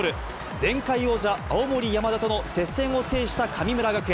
前回王者、青森山田との接戦を制した神村学園。